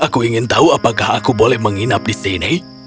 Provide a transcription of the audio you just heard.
aku ingin tahu apakah aku boleh menginap di sini